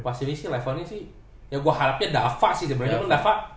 pasifik sih levelnya sih ya gue harapnya dava sih sebenernya